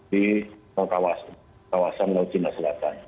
di kawasan laut cina selatan